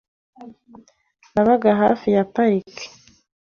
Nabaga hafi ya parike .